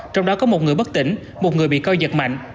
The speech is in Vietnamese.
trong đó có một người bất tỉnh một người bị coi giật mạnh